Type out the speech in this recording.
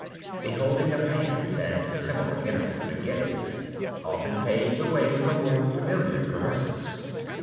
The holding of hands and similar innocent beginnings often pave the way for more familiar caresses.